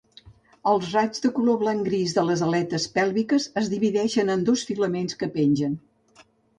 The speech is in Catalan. Els raigs de color blanc- gris de les aletes pèlviques es divideixen en dos filaments que pengen.